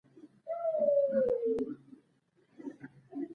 د ځمکو د اصلاحاتو د طرحې ویټو ګواښ یې کړی و.